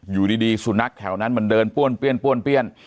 อยู่ดีสุนัขแถวนั้นมันเดินป้วนเปี้ยน